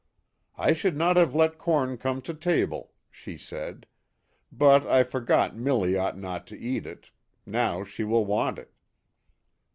" I should not have let corn come to table," she said, " but I forgot Milly ought not to eat it now she will want it."